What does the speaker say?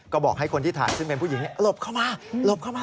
ก็บอกให้คนที่ถ่ายซึ่งเป็นผู้หญิงหลบเข้ามาหลบเข้ามา